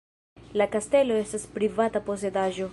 La kastelo estas privata posedaĵo.